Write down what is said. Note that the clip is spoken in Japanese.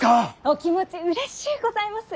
お気持ちうれしゅうございます。